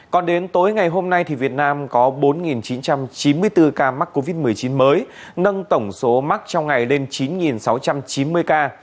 còn đến tối ngày hôm nay việt nam có bốn chín trăm chín mươi bốn ca mắc covid một mươi chín mới nâng tổng số mắc trong ngày lên chín sáu trăm chín mươi ca